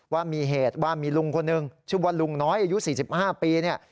ว่ามีเหตุว่ามีลุงคนหนึ่งชื่อว่าลุงน้อยอายุ๔๕ปีเนี่ย